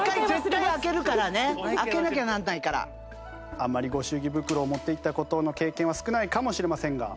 あんまりご祝儀袋を持っていった経験は少ないかもしれませんが。